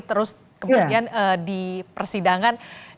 terus kemudian di persidangan